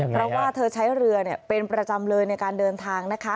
เพราะว่าเธอใช้เรือเป็นประจำเลยในการเดินทางนะคะ